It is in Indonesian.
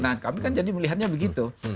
nah kami kan jadi melihatnya begitu